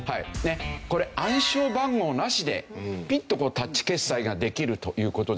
これ暗証番号なしでピッとタッチ決済ができるという事ですね。